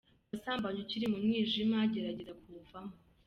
Wasambanye ukiri mu mwijima, gerageza kuwuvamo.